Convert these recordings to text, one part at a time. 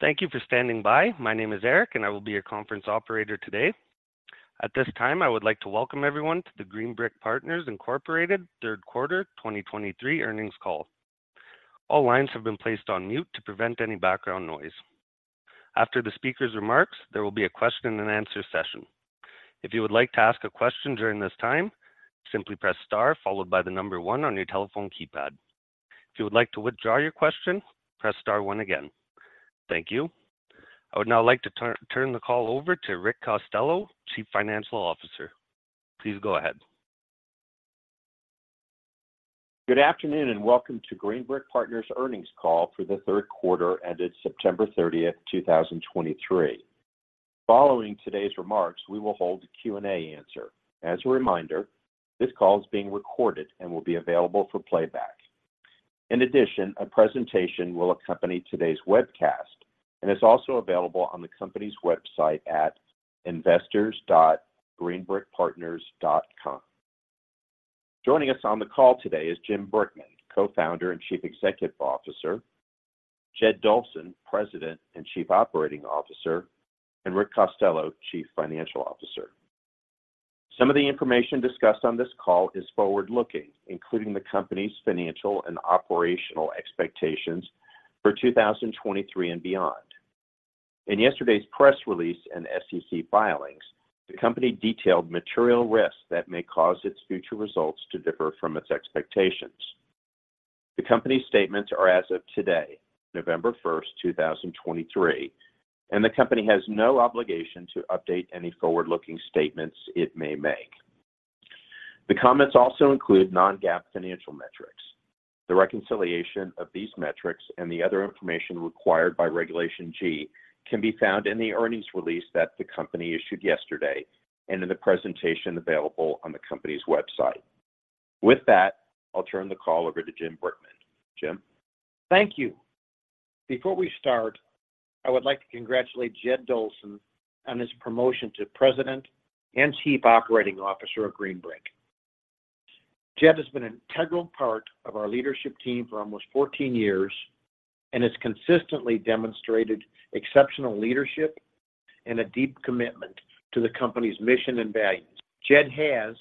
Thank you for standing by. My name is Eric, and I will be your conference operator today. At this time, I would like to welcome everyone to the Green Brick Partners, Inc. Q3 2023 earnings call. All lines have been placed on mute to prevent any background noise. After the speaker's remarks, there will be a question and answer session. If you would like to ask a question during this time, simply press star followed by the number 1 on your telephone keypad. If you would like to withdraw your question, press star 1 again. Thank you. I would now like to turn the call over to Rick Costello, Chief Financial Officer. Please go ahead. Good afternoon, and welcome to Green Brick Partners earnings call for the Q3 ended September 30, 2023. Following today's remarks, we will hold a Q&A answer. As a reminder, this call is being recorded and will be available for playback. In addition, a presentation will accompany today's webcast and is also available on the company's website at investors.greenbrickpartners.com. Joining us on the call today is Jim Brickman, Co-founder and Chief Executive Officer, Jed Dolson, President and Chief Operating Officer, and Rick Costello, Chief Financial Officer. Some of the information discussed on this call is forward-looking, including the company's financial and operational expectations for 2023 and beyond. In yesterday's press release and SEC filings, the company detailed material risks that may cause its future results to differ from its expectations. The company's statements are as of today, November 1, 2023, and the company has no obligation to update any forward-looking statements it may make. The comments also include non-GAAP financial metrics. The reconciliation of these metrics and the other information required by Regulation G can be found in the earnings release that the company issued yesterday and in the presentation available on the company's website. With that, I'll turn the call over to Jim Brickman. Jim? Thank you. Before we start, I would like to congratulate Jed Dolson on his promotion to President and Chief Operating Officer of Green Brick. Jed has been an integral part of our leadership team for almost 14 years and has consistently demonstrated exceptional leadership and a deep commitment to the company's mission and values. Jed has,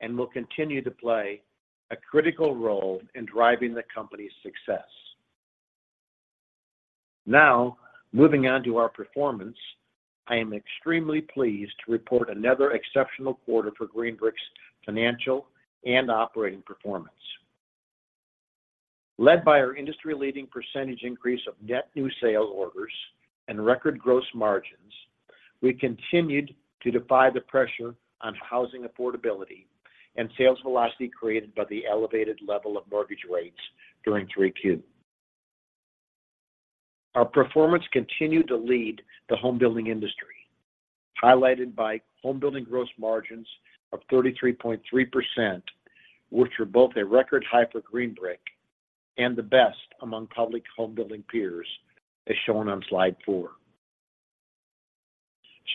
and will continue to play a critical role in driving the company's success. Now, moving on to our performance, I am extremely pleased to report another exceptional quarter for Green Brick's financial and operating performance. Led by our industry-leading percentage increase of net new sales orders and record gross margins, we continued to defy the pressure on housing affordability and sales velocity created by the elevated level of mortgage rates during 3Q. Our performance continued to lead the home building industry, highlighted by home building gross margins of 33.3%, which are both a record high for Green Brick and the best among public home building peers, as shown on slide 4.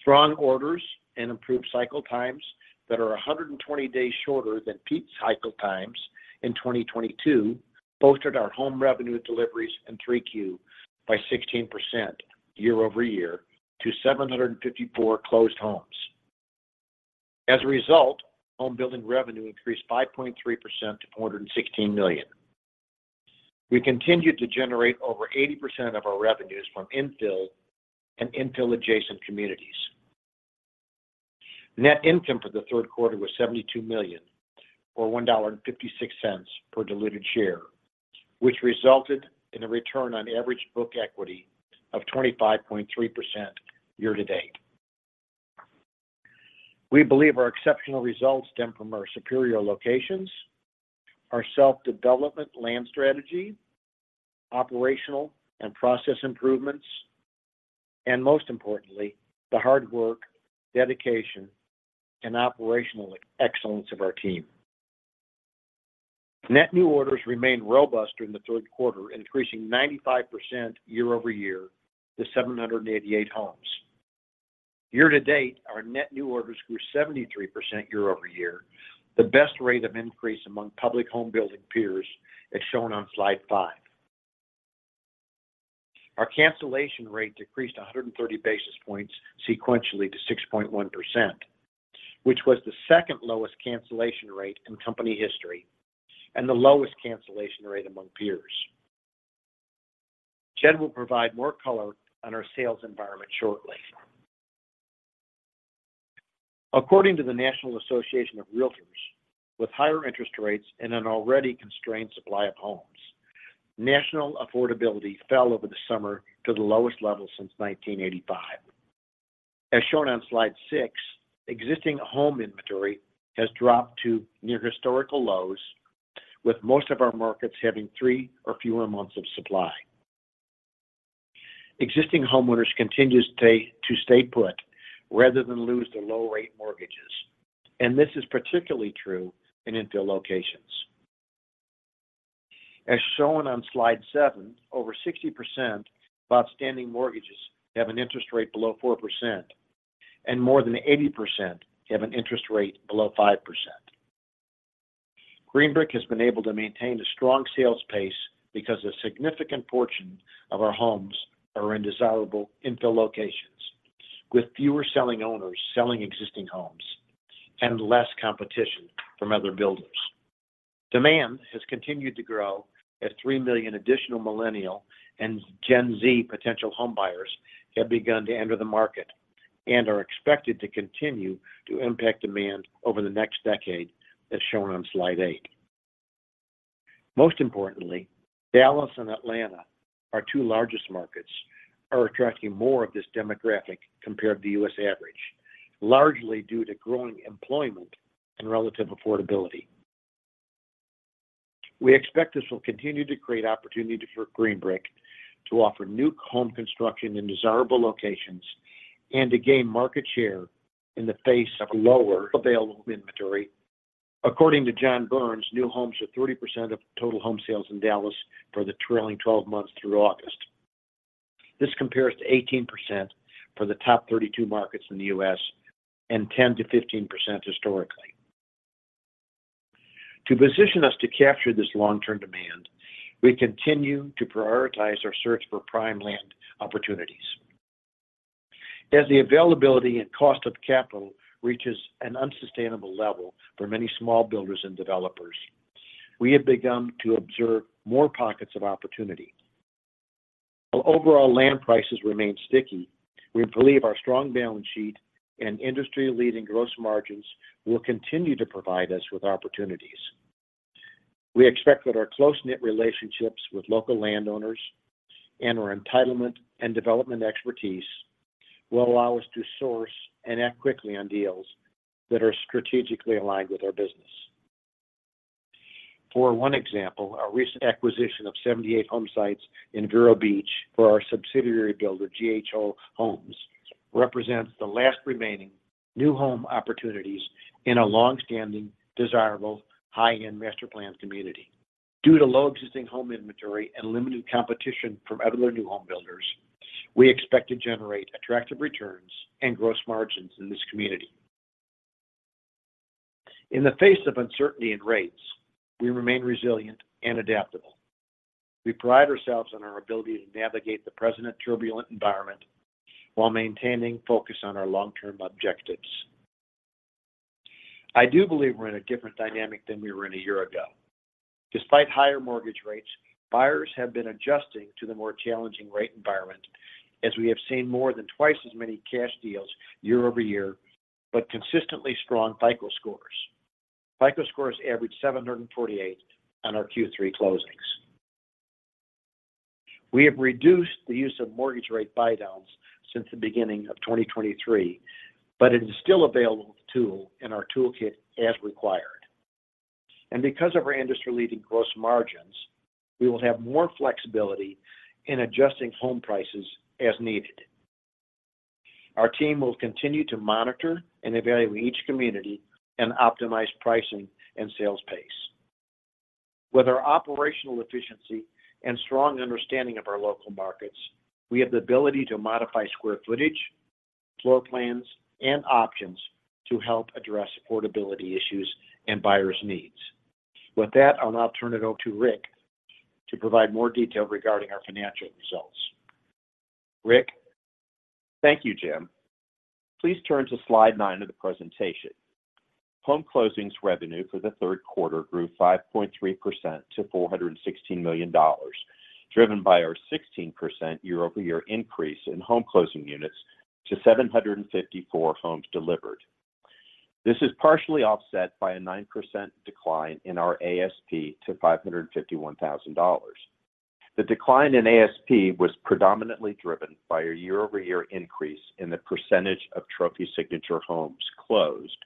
Strong orders and improved cycle times that are 120 days shorter than peak cycle times in 2022 boosted our home revenue deliveries in Q3 by 16% year-over-year to 754 closed homes. As a result, home building revenue increased 5.3% to $416 million. We continued to generate over 80% of our revenues from infill and infill-adjacent communities. Net income for the Q3 was $72 million, or $1.56 per diluted share, which resulted in a return on average book equity of 25.3% year to date. We believe our exceptional results stem from our superior locations, our self-development land strategy, operational and process improvements, and most importantly, the hard work, dedication, and operational excellence of our team. Net new orders remained robust during the Q3, increasing 95% year-over-year to 788 homes. Year to date, our net new orders grew 73% year-over-year, the best rate of increase among public home building peers, as shown on slide five. Our cancellation rate decreased 130 basis points sequentially to 6.1%, which was the second lowest cancellation rate in company history and the lowest cancellation rate among peers. Jed will provide more color on our sales environment shortly. According to the National Association of Realtors, with higher interest rates and an already constrained supply of homes, national affordability fell over the summer to the lowest level since 1985. As shown on slide 6, existing home inventory has dropped to near historical lows, with most of our markets having three or fewer months of supply. Existing homeowners continue to stay put rather than lose the low-rate mortgages, and this is particularly true in infill locations. As shown on slide 7, over 60% of outstanding mortgages have an interest rate below 4%, and more than 80% have an interest rate below 5%. Green Brick has been able to maintain a strong sales pace because a significant portion of our homes are in desirable infill locations, with fewer selling owners selling existing homes and less competition from other builders. Demand has continued to grow as 3 million additional millennial and Gen Z potential home buyers have begun to enter the market and are expected to continue to impact demand over the next decade, as shown on slide 8. Most importantly, Dallas and Atlanta, our two largest markets, are attracting more of this demographic compared to the U.S. average, largely due to growing employment and relative affordability. We expect this will continue to create opportunity for Green Brick to offer new home construction in desirable locations and to gain market share in the face of lower available inventory. According to John Burns, new homes are 30% of total home sales in Dallas for the trailing twelve months through August. This compares to 18% for the top 32 markets in the U.S. and 10%-15% historically. To position us to capture this long-term demand, we continue to prioritize our search for prime land opportunities. As the availability and cost of capital reaches an unsustainable level for many small builders and developers, we have begun to observe more pockets of opportunity. While overall land prices remain sticky, we believe our strong balance sheet and industry-leading gross margins will continue to provide us with opportunities. We expect that our close-knit relationships with local landowners and our entitlement and development expertise will allow us to source and act quickly on deals that are strategically aligned with our business. For one example, our recent acquisition of 78 home sites in Vero Beach for our subsidiary builder, GHO Homes, represents the last remaining new home opportunities in a long-standing, desirable, high-end master planned community. Due to low existing home inventory and limited competition from other new home builders, we expect to generate attractive returns and gross margins in this community. In the face of uncertainty in rates, we remain resilient and adaptable. We pride ourselves on our ability to navigate the present turbulent environment while maintaining focus on our long-term objectives. I do believe we're in a different dynamic than we were in a year ago. Despite higher mortgage rates, buyers have been adjusting to the more challenging rate environment, as we have seen more than twice as many cash deals year over year, but consistently strong FICO scores. FICO scores averaged 748 on our Q3 closings. We have reduced the use of mortgage rate buydowns since the beginning of 2023, but it is still available tool in our toolkit as required. Because of our industry-leading gross margins, we will have more flexibility in adjusting home prices as needed. Our team will continue to monitor and evaluate each community and optimize pricing and sales pace. With our operational efficiency and strong understanding of our local markets, we have the ability to modify square footage, floor plans, and options to help address affordability issues and buyers' needs. With that, I'll now turn it over to Rick to provide more detail regarding our financial results. Rick? Thank you, Jim. Please turn to slide 9 of the presentation. Home closings revenue for the Q3 grew 5.3% to $416 million, driven by our 16% year-over-year increase in home closing units to 754 homes delivered. This is partially offset by a 9% decline in our ASP to $551,000. The decline in ASP was predominantly driven by a year-over-year increase in the percentage of Trophy Signature Homes closed,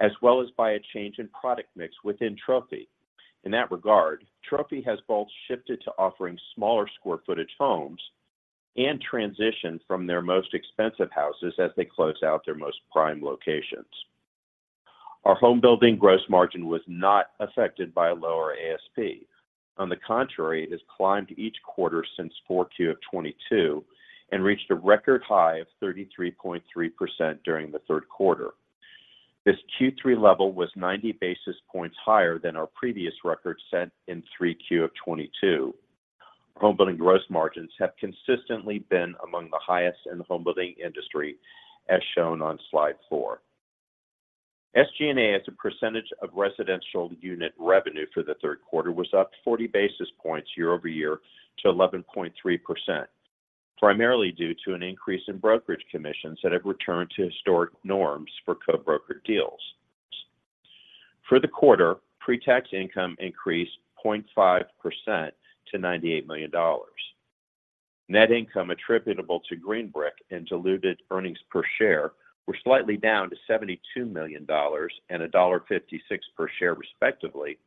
as well as by a change in product mix within Trophy. In that regard, Trophy has both shifted to offering smaller square footage homes and transitioned from their most expensive houses as they close out their most prime locations. Our home building gross margin was not affected by a lower ASP. On the contrary, it has climbed each quarter since Q4 of 2022 and reached a record high of 33.3% during the Q3. This Q3 level was 90 basis points higher than our previous record, set in Q3 of 2022. Home building gross margins have consistently been among the highest in the home building industry, as shown on slide 4. SG&A, as a percentage of residential unit revenue for the Q3, was up 40 basis points year-over-year to 11.3%, primarily due to an increase in brokerage commissions that have returned to historic norms for co-broker deals. For the quarter, pre-tax income increased 0.5% to $98 million. Net income attributable to Green Brick and diluted earnings per share were slightly down to $72 million and $1.56 per share, respectively,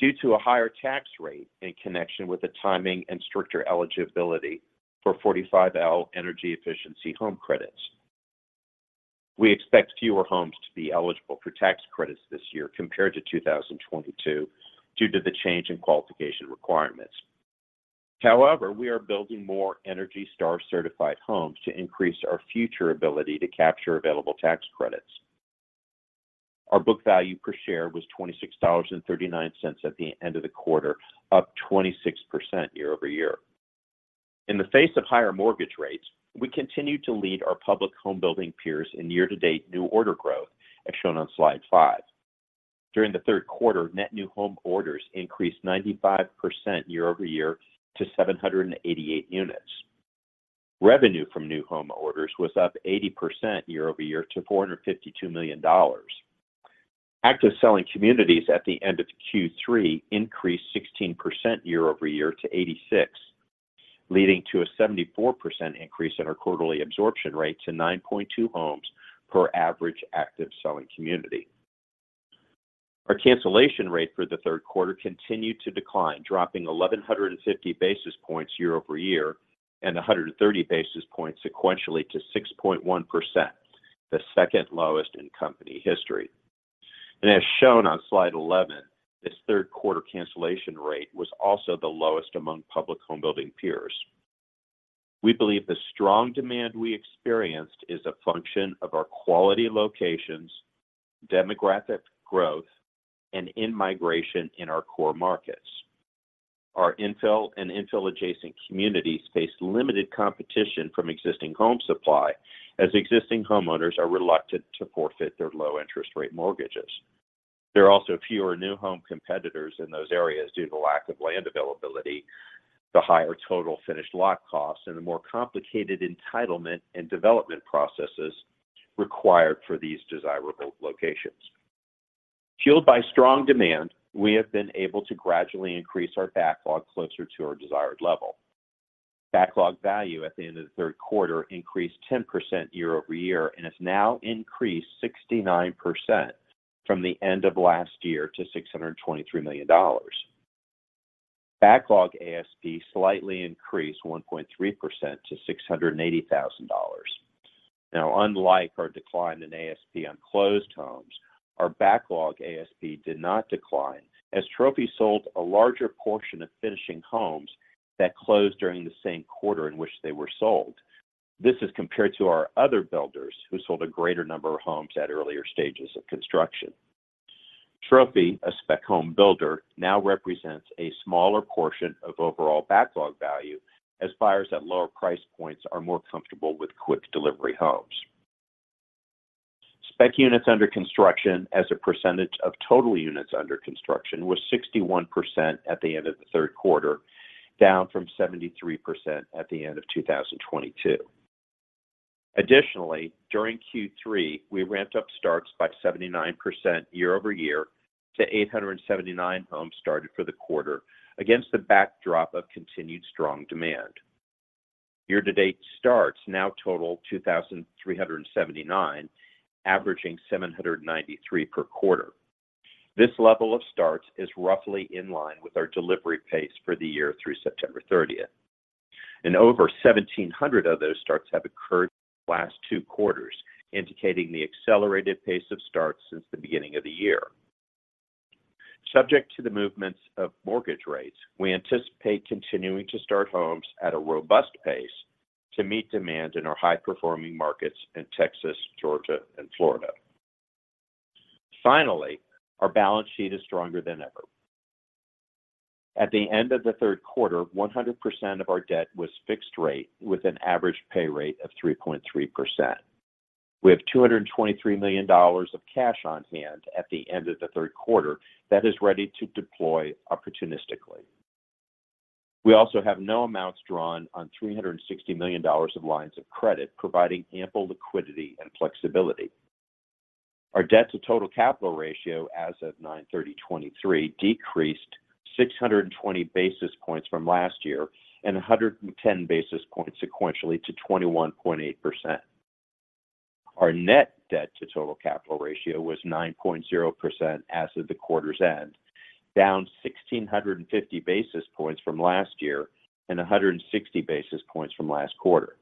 due to a higher tax rate in connection with the timing and stricter eligibility for 45L energy efficiency home credits. We expect fewer homes to be eligible for tax credits this year compared to 2022, due to the change in qualification requirements. However, we are building more ENERGY STAR-certified homes to increase our future ability to capture available tax credits. Our book value per share was $26.39 at the end of the quarter, up 26% year-over-year. In the face of higher mortgage rates, we continued to lead our public home building peers in year-to-date new order growth, as shown on slide five. During the Q3, net new home orders increased 95% year-over-year to 788 units. Revenue from new home orders was up 80% year-over-year to $452 million. Active selling communities at the end of Q3 increased 16% year-over-year to 86, leading to a 74% increase in our quarterly absorption rate to 9.2 homes per average active selling community. Our cancellation rate for the Q3 continued to decline, dropping 1,150 basis points year-over-year and 130 basis points sequentially to 6.1%, the second lowest in company history. As shown on slide 11, this Q3 cancellation rate was also the lowest among public home building peers. We believe the strong demand we experienced is a function of our quality locations, demographic growth, and in-migration in our core markets. Our infill and infill-adjacent communities face limited competition from existing home supply, as existing homeowners are reluctant to forfeit their low-interest rate mortgages. There are also fewer new home competitors in those areas due to lack of land availability, the higher total finished lot costs, and the more complicated entitlement and development processes required for these desirable locations. Fueled by strong demand, we have been able to gradually increase our backlog closer to our desired level. Backlog value at the end of the Q3 increased 10% year-over-year and has now increased 69% from the end of last year to $623 million. Backlog ASP slightly increased 1.3% to $680,000. Now, unlike our decline in ASP on closed homes, our backlog ASP did not decline, as Trophy sold a larger portion of finishing homes that closed during the same quarter in which they were sold. This is compared to our other builders, who sold a greater number of homes at earlier stages of construction. Trophy, a spec home builder, now represents a smaller portion of overall backlog value, as buyers at lower price points are more comfortable with quick delivery homes. Spec units under construction as a percentage of total units under construction was 61% at the end of the Q3, down from 73% at the end of 2022. Additionally, during Q3, we ramped up starts by 79% year-over-year to 879 homes started for the quarter, against the backdrop of continued strong demand. Year-to-date starts now total 2,379, averaging 793 per quarter. This level of starts is roughly in line with our delivery pace for the year through September 30, and over 1,700 of those starts have occurred in the last two quarters, indicating the accelerated pace of starts since the beginning of the year. Subject to the movements of mortgage rates, we anticipate continuing to start homes at a robust pace to meet demand in our high-performing markets in Texas, Georgia, and Florida. Finally, our balance sheet is stronger than ever. At the end of the Q3, 100% of our debt was fixed rate, with an average pay rate of 3.3%. We have $223 million of cash on hand at the end of the Q3 that is ready to deploy opportunistically. We also have no amounts drawn on $360 million of lines of credit, providing ample liquidity and flexibility. Our Debt-to-Total Capital Ratio as of 9/30/2023 decreased 620 basis points from last year and 110 basis points sequentially to 21.8%. Our Net Debt to Total Capital Ratio was 9.0% as of the quarter's end, down 1,650 basis points from last year and 160 basis points from last quarter.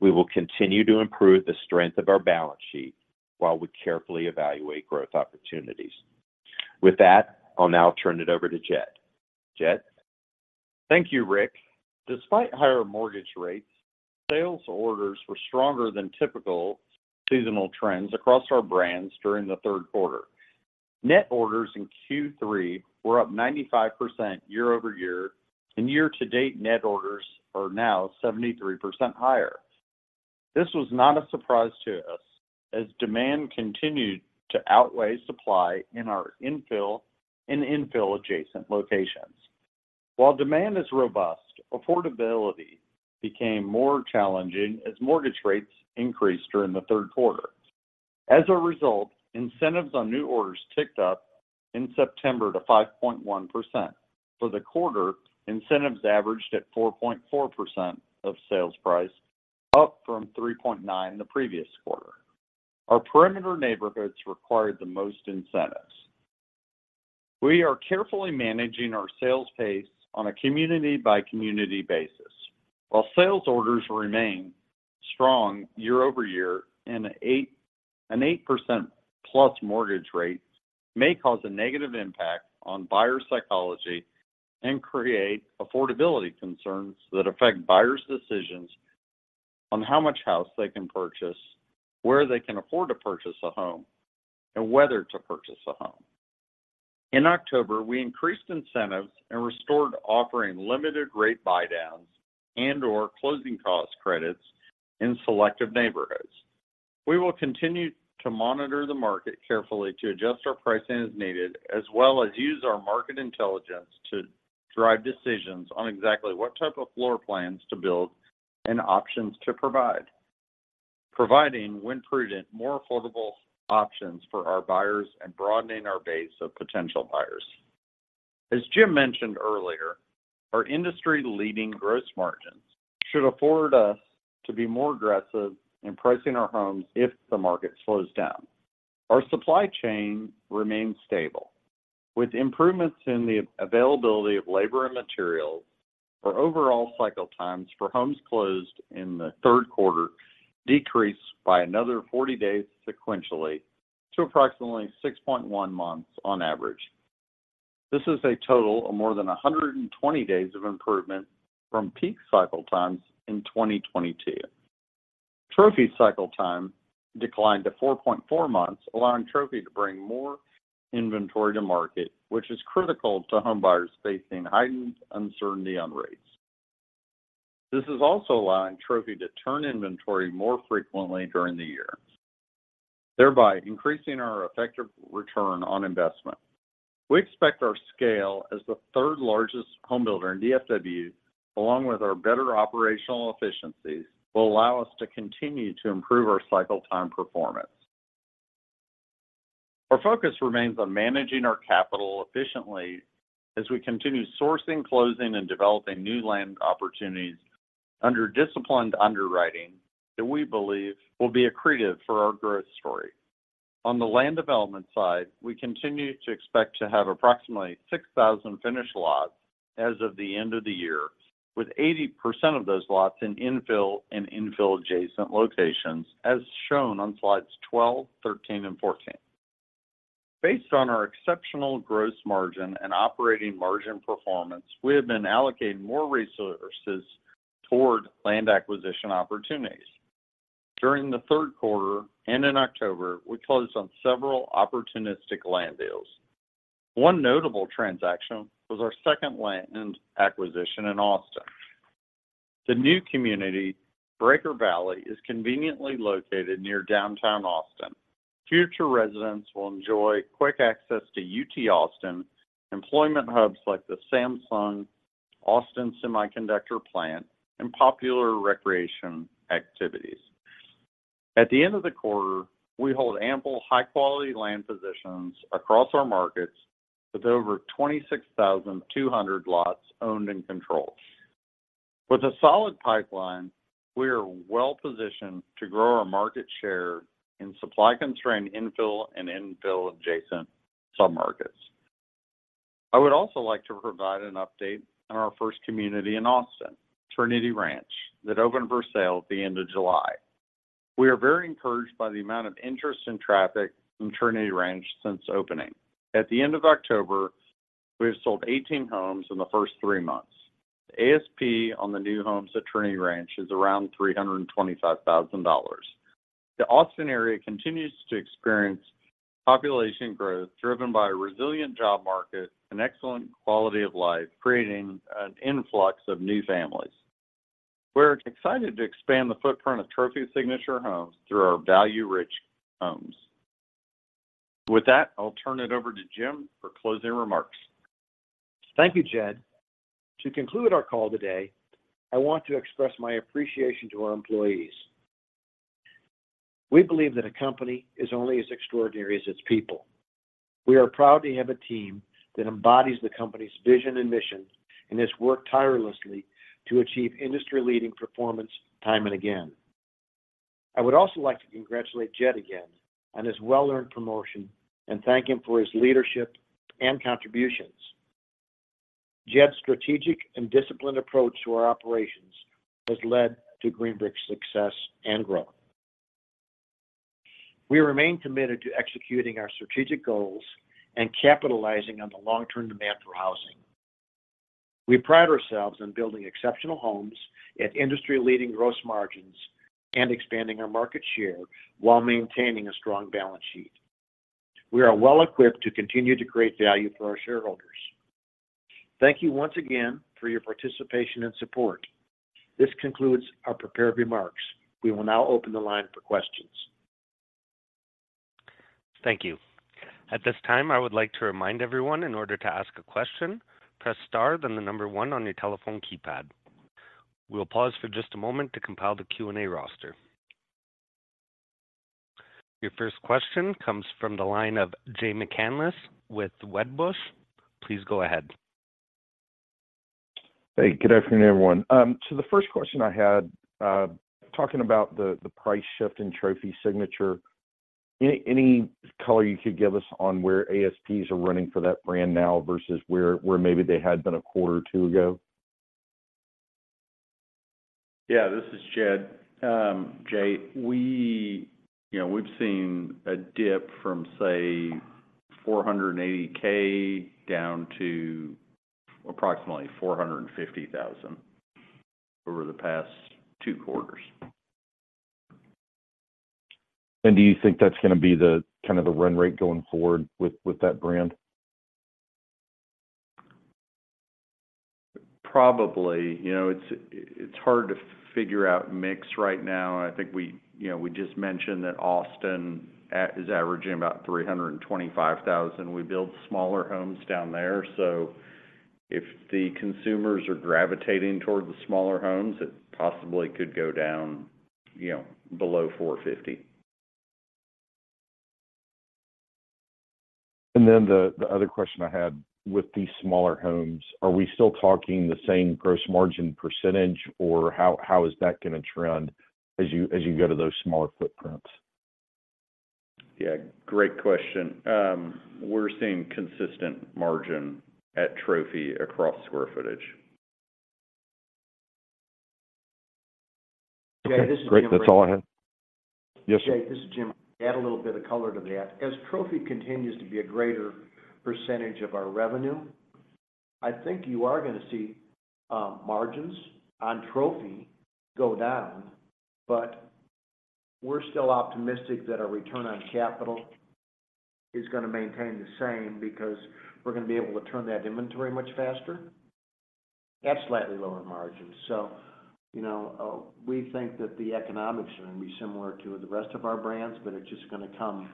We will continue to improve the strength of our balance sheet while we carefully evaluate growth opportunities. With that, I'll now turn it over to Jed. Jed? Thank you, Rick. Despite higher mortgage rates, sales orders were stronger than typical seasonal trends across our brands during the Q3. Net orders in Q3 were up 95% year-over-year, and year-to-date net orders are now 73% higher. This was not a surprise to us, as demand continued to outweigh supply in our infill and infill-adjacent locations. While demand is robust, affordability became more challenging as mortgage rates increased during the Q3. As a result, incentives on new orders ticked up in September to 5.1%. For the quarter, incentives averaged at 4.4% of sales price, up from 3.9% the previous quarter. Our perimeter neighborhoods required the most incentives. We are carefully managing our sales pace on a community-by-community basis. While sales orders remain. Strong year-over-year and an 8%+ mortgage rate may cause a negative impact on buyer psychology and create affordability concerns that affect buyers' decisions on how much house they can purchase, where they can afford to purchase a home, and whether to purchase a home. In October, we increased incentives and restored offering limited rate buydowns and/or closing cost credits in selective neighborhoods. We will continue to monitor the market carefully to adjust our pricing as needed, as well as use our market intelligence to drive decisions on exactly what type of floor plans to build and options to provide. Providing, when prudent, more affordable options for our buyers and broadening our base of potential buyers. As Jim mentioned earlier, our industry-leading gross margins should afford us to be more aggressive in pricing our homes if the market slows down. Our supply chain remains stable, with improvements in the availability of labor and materials. Our overall cycle times for homes closed in the Q3 decreased by another 40 days sequentially to approximately 6.1 months on average. This is a total of more than 120 days of improvement from peak cycle times in 2022. Trophy cycle time declined to 4.4 months, allowing Trophy to bring more inventory to market, which is critical to homebuyers facing heightened uncertainty on rates. This is also allowing Trophy to turn inventory more frequently during the year, thereby increasing our effective return on investment. We expect our scale as the third-largest homebuilder in DFW, along with our better operational efficiencies, will allow us to continue to improve our cycle time performance. Our focus remains on managing our capital efficiently as we continue sourcing, closing, and developing new land opportunities under disciplined underwriting that we believe will be accretive for our growth story. On the land development side, we continue to expect to have approximately 6,000 finished lots as of the end of the year, with 80% of those lots in infill and infill-adjacent locations, as shown on slides 12, 13, and 14. Based on our exceptional gross margin and operating margin performance, we have been allocating more resources toward land acquisition opportunities. During the Q3 and in October, we closed on several opportunistic land deals. One notable transaction was our second land acquisition in Austin. The new community, Braker Valley, is conveniently located near downtown Austin. Future residents will enjoy quick access to UT Austin, employment hubs like the Samsung Austin Semiconductor Plant, and popular recreation activities. At the end of the quarter, we hold ample high-quality land positions across our markets, with over 26,200 lots owned and controlled. With a solid pipeline, we are well positioned to grow our market share in supply-constrained infill and infill-adjacent submarkets. I would also like to provide an update on our first community in Austin, Trinity Ranch, that opened for sale at the end of July. We are very encouraged by the amount of interest and traffic in Trinity Ranch since opening. At the end of October, we have sold 18 homes in the first three months. ASP on the new homes at Trinity Ranch is around $325,000. The Austin area continues to experience population growth, driven by a resilient job market and excellent quality of life, creating an influx of new families. We're excited to expand the footprint of Trophy Signature Homes through our value-rich homes. With that, I'll turn it over to Jim for closing remarks. Thank you, Jed. To conclude our call today, I want to express my appreciation to our employees. We believe that a company is only as extraordinary as its people. We are proud to have a team that embodies the company's vision and mission, and has worked tirelessly to achieve industry-leading performance time and again. I would also like to congratulate Jed again on his well-earned promotion and thank him for his leadership and contributions. Jed's strategic and disciplined approach to our operations has led to Green Brick's success and growth. We remain committed to executing our strategic goals and capitalizing on the long-term demand for housing. We pride ourselves on building exceptional homes at industry-leading gross margins and expanding our market share while maintaining a strong balance sheet. We are well equipped to continue to create value for our shareholders. Thank you once again for your participation and support. This concludes our prepared remarks. We will now open the line for questions. Thank you. At this time, I would like to remind everyone, in order to ask a question, press star, then the number one on your telephone keypad. We'll pause for just a moment to compile the Q&A roster. Your first question comes from the line of Jay McCanless with Wedbush. Please go ahead. Hey, good afternoon, everyone. So the first question I had, talking about the price shift in Trophy Signature. Any color you could give us on where ASPs are running for that brand now versus where maybe they had been a quarter or two ago? Yeah, this is Jed. Jay, we, you know, we've seen a dip from, say, $480,000 down to approximately $450,000 over the past two quarters. Do you think that's gonna be the kind of the run rate going forward with, with that brand? Probably. You know, it's hard to figure out mix right now. I think we, you know, we just mentioned that Austin is averaging about $325,000. We build smaller homes down there, so if the consumers are gravitating toward the smaller homes, it possibly could go down, you know, below $450. Then the, the other question I had with these smaller homes, are we still talking the same gross margin percentage, or how, how is that gonna trend as you, as you go to those smaller footprints? Yeah, great question. We're seeing consistent margin at Trophy across square footage. Okay, great. That's all I had. Yes, sir. Jay, this is Jim. Add a little bit of color to that. As Trophy continues to be a greater percentage of our revenue, I think you are gonna see margins on Trophy go down, but we're still optimistic that our return on capital is gonna maintain the same, because we're gonna be able to turn that inventory much faster at slightly lower margins. So, you know, we think that the economics are gonna be similar to the rest of our brands, but are just gonna come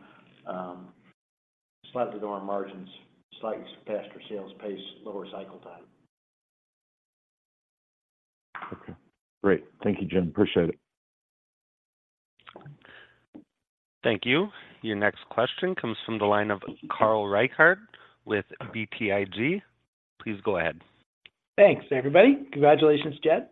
slightly lower margins, slightly faster sales pace, lower cycle time. Okay, great. Thank you, Jim. Appreciate it. Thank you. Your next question comes from the line of Carl Reichardt with BTIG. Please go ahead. Thanks, everybody. Congratulations, Jed.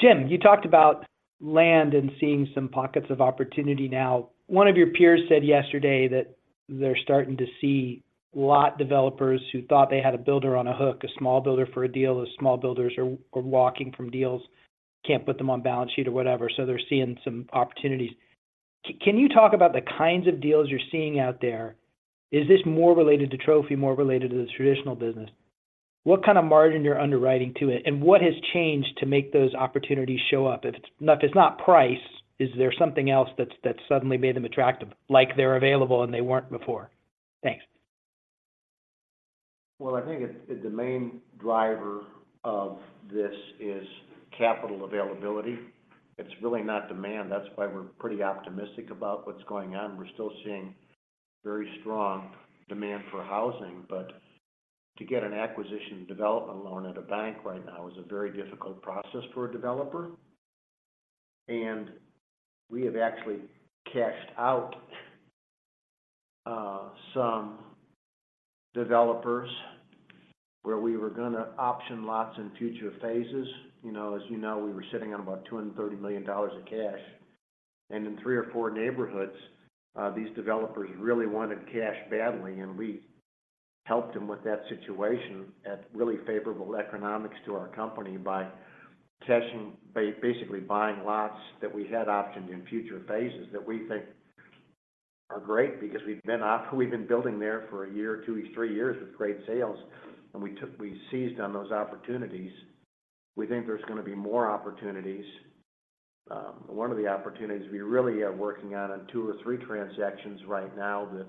Jim, you talked about land and seeing some pockets of opportunity now. One of your peers said yesterday that they're starting to see lot developers who thought they had a builder on a hook, a small builder for a deal, those small builders are walking from deals, can't put them on balance sheet or whatever, so they're seeing some opportunities. Can you talk about the kinds of deals you're seeing out there? Is this more related to Trophy, more related to the traditional business? What kind of margin you're underwriting to it, and what has changed to make those opportunities show up? If it's not price, is there something else that's suddenly made them attractive, like they're available and they weren't before? Thanks. Well, I think the main driver of this is capital availability. It's really not demand. That's why we're pretty optimistic about what's going on. We're still seeing very strong demand for housing, but to get an acquisition development loan at a bank right now is a very difficult process for a developer. We have actually cashed out some developers where we were gonna option lots in future phases. You know, as you know, we were sitting on about $230 million in cash, and in 3 or 4 neighborhoods, these developers really wanted cash badly, and we helped them with that situation at really favorable economics to our company by basically buying lots that we had optioned in future phases that we think are great because we've been building there for a year or 2, 3 years with great sales, and we seized on those opportunities. We think there's gonna be more opportunities. One of the opportunities we really are working on in 2 or 3 transactions right now that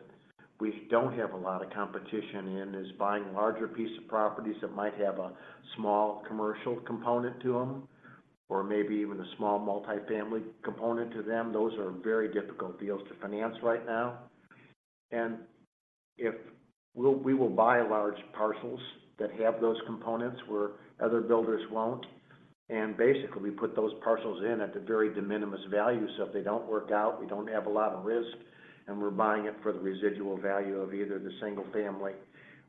we don't have a lot of competition in is buying larger pieces of properties that might have a small commercial component to them, or maybe even a small multifamily component to them. Those are very difficult deals to finance right now. We will buy large parcels that have those components, where other builders won't, and basically, we put those parcels in at the very de minimis value, so if they don't work out, we don't have a lot of risk, and we're buying it for the residual value of either the single family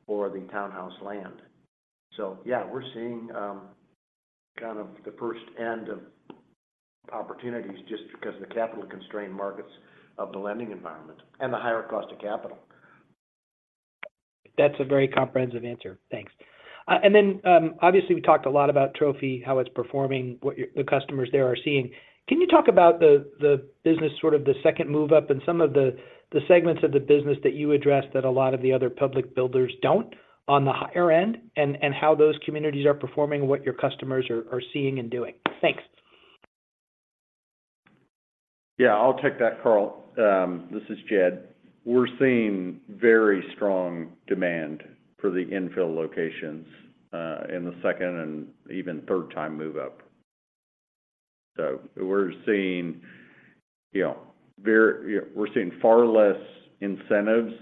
or the townhouse land. So yeah, we're seeing kind of the first end of opportunities just because of the capital-constrained markets of the lending environment and the higher cost of capital. That's a very comprehensive answer. Thanks. And then, obviously, we talked a lot about Trophy, how it's performing, what the customers there are seeing. Can you talk about the business, sort of the second move up and some of the segments of the business that you addressed, that a lot of the other public builders don't on the higher end, and how those communities are performing, what your customers are seeing and doing? Thanks. Yeah, I'll take that, Carl. This is Jed. We're seeing very strong demand for the infill locations in the second and even third-time move-up. So we're seeing, you know, far less incentives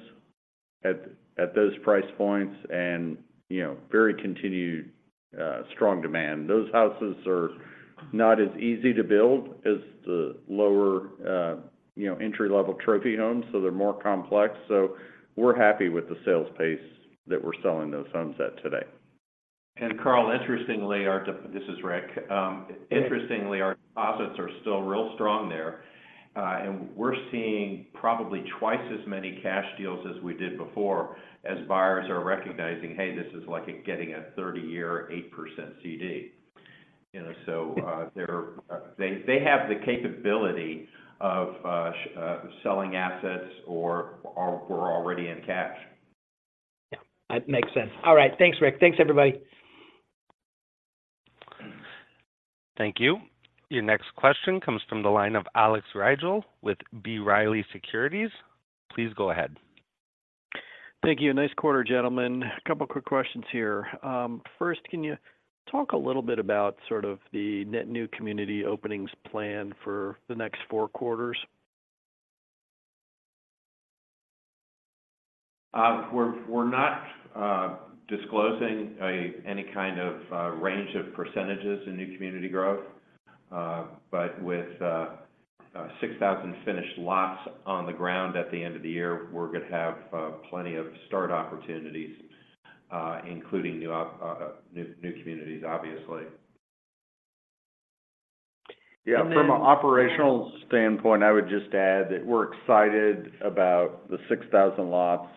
at those price points and, you know, very continued strong demand. Those houses are not as easy to build as the lower, you know, entry-level Trophy homes, so they're more complex. So we're happy with the sales pace that we're selling those homes at today. Carl, interestingly, this is Rick. Interestingly, our deposits are still real strong there, and we're seeing probably twice as many cash deals as we did before, as buyers are recognizing, "Hey, this is like getting a 30-year, 8% CD." You know, they have the capability of selling assets or were already in cash. Yeah, that makes sense. All right. Thanks, Rick. Thanks, everybody. Thank you. Your next question comes from the line of Alex Rygiel with B. Riley Securities. Please go ahead. Thank you. Nice quarter, gentlemen. A couple quick questions here. First, can you talk a little bit about sort of the net new community openings plan for the next four quarters? We're not disclosing any kind of range of percentages in new community growth. But with 6,000 finished lots on the ground at the end of the year, we're going to have plenty of start opportunities, including new communities, obviously. And then- Yeah, from an operational standpoint, I would just add that we're excited about the 6,000 lots.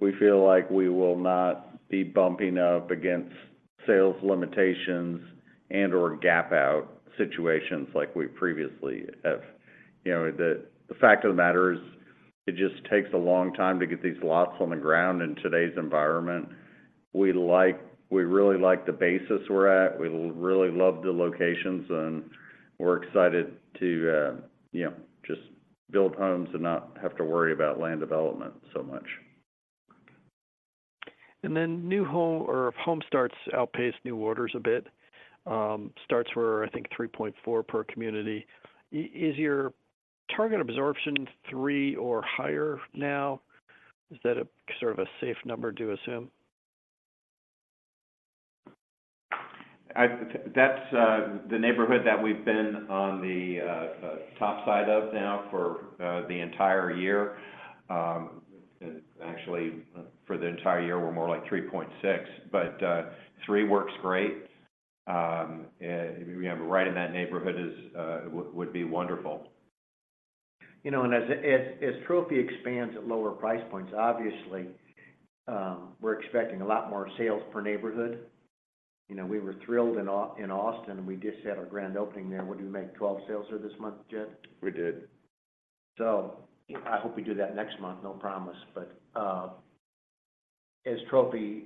We feel like we will not be bumping up against sales limitations and/or gap-out situations like we previously have. You know, the fact of the matter is, it just takes a long time to get these lots on the ground in today's environment. We like. We really like the basis we're at. We really love the locations, and we're excited to, you know, just build homes and not have to worry about land development so much. New home or home starts outpace new orders a bit. Starts were, I think, 3.4 per community. Is your target absorption 3 or higher now? Is that a sort of safe number to assume? That's the neighborhood that we've been on the top side of now for the entire year. Actually, for the entire year, we're more like 3.6, but 3 works great. We have right in that neighborhood is would be wonderful. You know, and as Trophy expands at lower price points, obviously, we're expecting a lot more sales per neighborhood. You know, we were thrilled in Austin, and we just had our grand opening there. What, did we make 12 sales there this month, Jed? We did. So I hope we do that next month. No promise, but as Trophy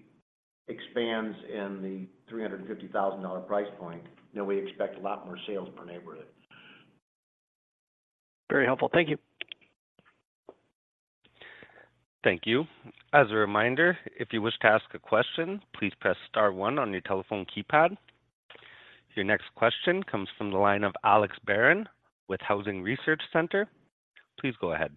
expands in the $350,000 price point, you know, we expect a lot more sales per neighborhood. Very helpful. Thank you. Thank you. As a reminder, if you wish to ask a question, please press star one on your telephone keypad. Your next question comes from the line of Alex Barron with Housing Research Center. Please go ahead.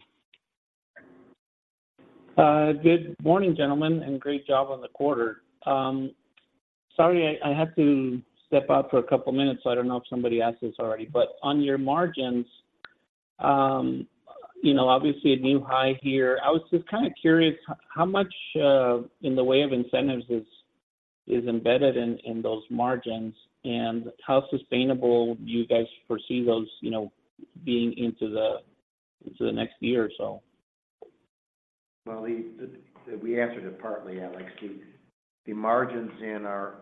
Good morning, gentlemen, and great job on the quarter. Sorry, I had to step out for a couple of minutes, so I don't know if somebody asked this already. But on your margins, you know, obviously, a new high here, I was just kind of curious, how much in the way of incentives is embedded in those margins? And how sustainable do you guys foresee those, you know, being into the next year or so? Well, we answered it partly, Alex. The margins in our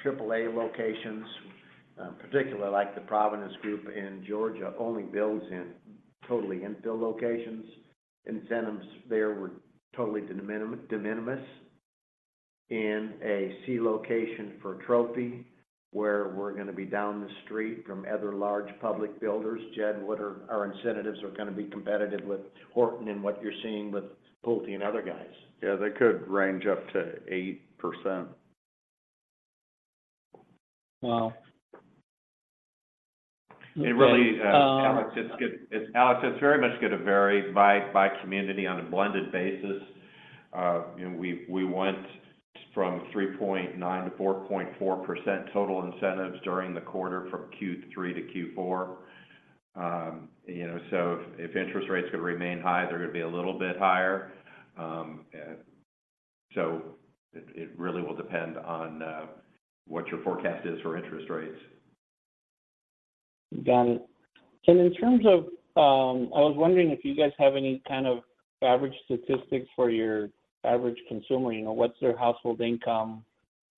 triple A locations, particularly like the Providence Group in Georgia, only builds in totally infill locations. Incentives there were totally de minimis. In a C location for Trophy, where we're going to be down the street from other large public builders. Jed, what are. Our incentives are going to be competitive with Horton and what you're seeing with Pulte and other guys. Yeah, they could range up to 8%. Wow! It really, Um- Alex, it's very much going to vary by, by community on a blended basis. You know, we, we went from 3.9% to 4.4% total incentives during the quarter, from Q3 to Q4. You know, so if, if interest rates are going to remain high, they're going to be a little bit higher. So it, it really will depend on, what your forecast is for interest rates. Got it. And in terms of, I was wondering if you guys have any kind of average statistics for your average consumer. You know, what's their household income?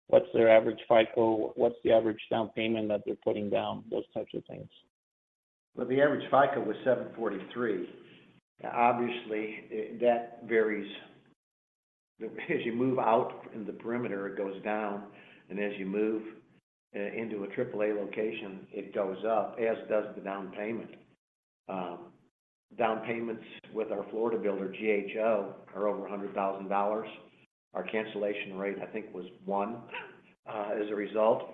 What's their average FICO? What's the average down payment that they're putting down? Those types of things. Well, the average FICO was 743. Obviously, that varies. As you move out in the perimeter, it goes down, and as you move into a triple A location, it goes up, as does the down payment. Down payments with our Florida builder, GHO, are over $100,000. Our cancellation rate, I think, was 1%, as a result.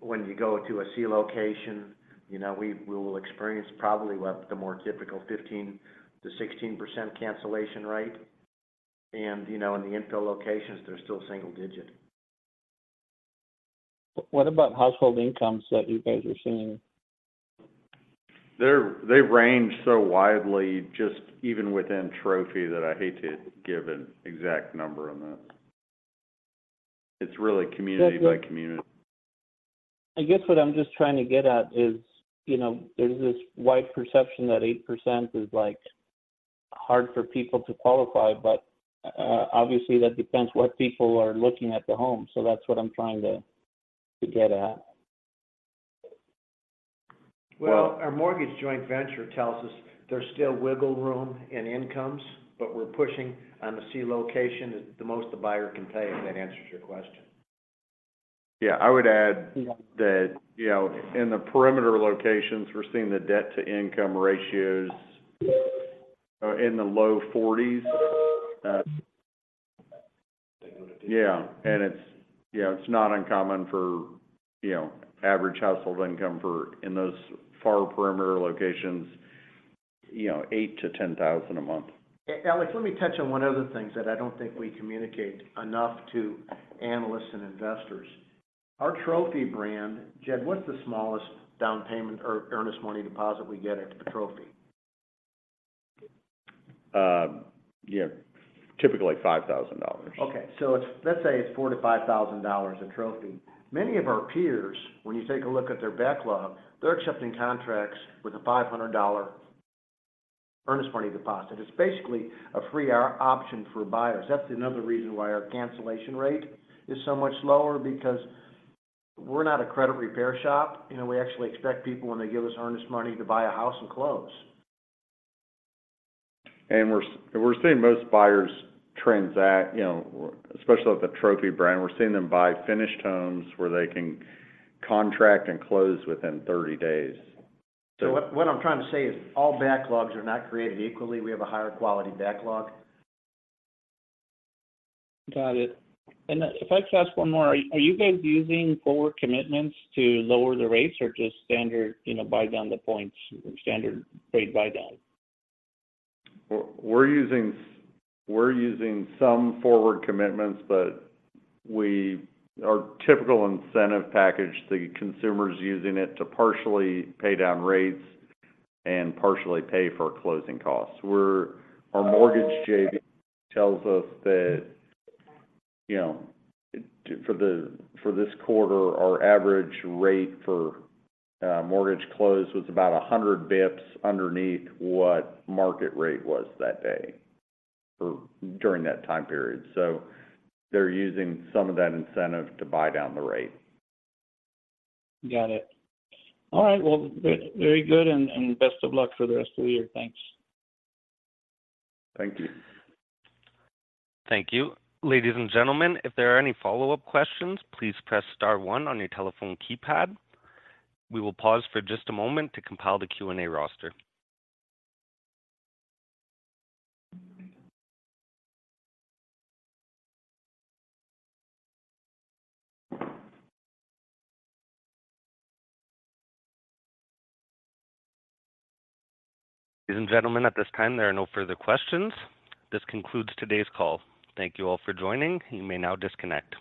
When you go to a C location, you know, we will experience probably what the more typical 15%-16% cancellation rate. You know, in the infill locations, they're still single digit. What about household incomes that you guys are seeing? They range so widely, just even within Trophy, that I hate to give an exact number on that. It's really community by community. I guess what I'm just trying to get at is, you know, there's this wide perception that 8% is, like, hard for people to qualify, but, obviously, that depends what people are looking at the home. So that's what I'm trying to, to get at. Well, our mortgage joint venture tells us there's still wiggle room in incomes, but we're pushing on the C location is the most the buyer can pay, if that answers your question. Yeah, I would add that, you know, in the perimeter locations, we're seeing the debt-to-income ratios in the low forties. Yeah, and it's, yeah, it's not uncommon for, you know, average household income for, in those far perimeter locations, you know, $8,000-$10,000 a month. Alex, let me touch on one of the things that I don't think we communicate enough to analysts and investors. Our Trophy brand. Jed, what's the smallest down payment or earnest money deposit we get into the Trophy? Yeah, typically $5,000. Okay. So it's, let's say, $4,000-$5,000 a Trophy. Many of our peers, when you take a look at their backlog, they're accepting contracts with a $500 earnest money deposit. It's basically a free option for buyers. That's another reason why our cancellation rate is so much lower, because we're not a credit repair shop. You know, we actually expect people, when they give us earnest money, to buy a house and close. We're seeing most buyers transact, you know, especially with the Trophy brand, we're seeing them buy finished homes where they can contract and close within 30 days. So what I'm trying to say is all backlogs are not created equally. We have a higher quality backlog. Got it. And if I could ask one more, are you guys using forward commitments to lower the rates or just standard, you know, buy down the points, standard rate buy down? We're using some forward commitments, but our typical incentive package, the consumer's using it to partially pay down rates and partially pay for closing costs. Our mortgage JV tells us that, you know, for this quarter, our average rate for mortgage close was about 100 basis points underneath what market rate was that day, or during that time period. So they're using some of that incentive to buy down the rate. Got it. All right, well, very, very good, and, and best of luck for the rest of the year. Thanks. Thank you. Thank you. Ladies and gentlemen, if there are any follow-up questions, please press star one on your telephone keypad. We will pause for just a moment to compile the Q&A roster. Ladies and gentlemen, at this time, there are no further questions. This concludes today's call. Thank you all for joining. You may now disconnect.